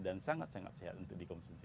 dan sangat sangat sehat untuk dikonsumsi